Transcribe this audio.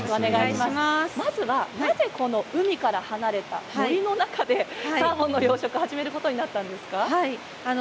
なぜ海から離れた森の中でサーモンの養殖を始めることになったんですか。